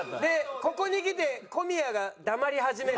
ここにきて小宮が黙り始める。